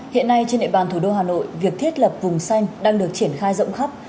hiện nay trên địa bàn thủ đô hà nội việc thiết lập vùng xanh đang được triển khai rộng khắp